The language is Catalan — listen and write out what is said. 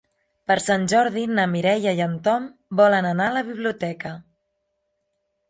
Per Sant Jordi na Mireia i en Tom volen anar a la biblioteca.